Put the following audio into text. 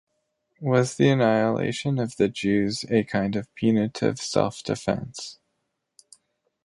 Was the annihilation of the Jews a kind of putative self-defence?